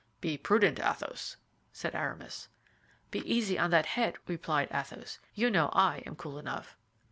"Be prudent, Athos," said Aramis. "Be easy on that head," replied Athos; "you know I am cool enough."